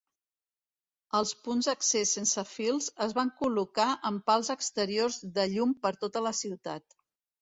Els punts d'accés sense fils es van col·locar en pals exteriors de llum per tota la ciutat.